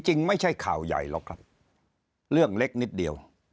จริงไม่ใช่ข่าวใหญ่หรอกครับเรื่องเล็กนิดเดียว